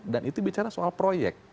dan itu bicara soal proyek